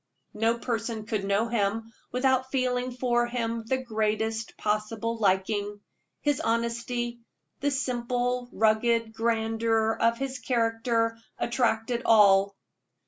No person could know him without feeling for him the greatest possible liking; his honesty, the simple, rugged grandeur of his character, attracted all.